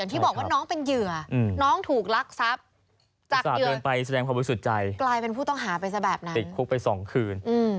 ติดคลุกไปสองคืน